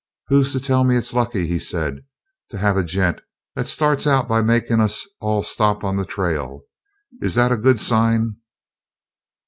"Who'll tell me it's lucky," he said, "to have a gent that starts out by makin' us all stop on the trail? Is that a good sign?"